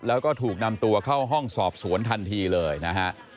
แล้วก็ถูกนำตัวเข้าห้องสอบสวนทันทีเลยนะฮะ